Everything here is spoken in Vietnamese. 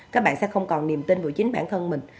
các bạn sẽ không còn niềm tin vào chính bản thân mình